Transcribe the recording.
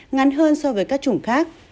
ngắn hơn so với các chủng khác